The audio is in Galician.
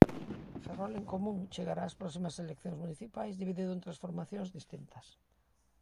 Ferrol en Común chegará ás próximas eleccións municipais dividido en tres formacións distintas.